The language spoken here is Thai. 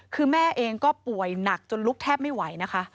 คือแม่เองก็ป่วยหนักจนลุกแทบไม่ไหวนะคะ